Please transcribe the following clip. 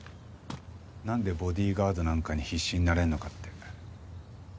なんでボディーガードなんかに必死になれるのかって。